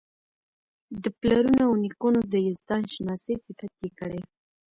د پلرونو او نیکونو د یزدان شناسۍ صفت یې کړی.